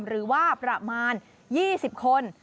หรือว่าประมาณ๒๐คน